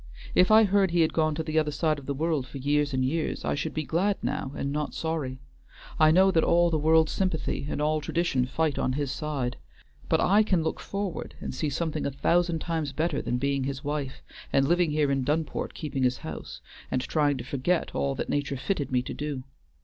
If I heard he had gone to the other side of the world for years and years, I should be glad now and not sorry. I know that all the world's sympathy and all tradition fight on his side; but I can look forward and see something a thousand times better than being his wife, and living here in Dunport keeping his house, and trying to forget all that nature fitted me to do.